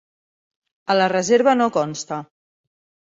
A la reserva no consta.